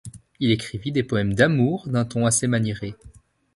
Il écrivit des poèmes d'amour d'un ton assez maniéré.